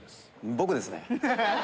僕ですね。